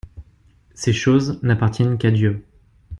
Ces choses n’appartiennent qu’à Dieu.